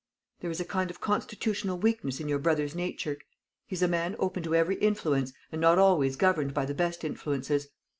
There is a kind of constitutional weakness in your brother's nature. He is a man open to every influence, and not always governed by the best influences.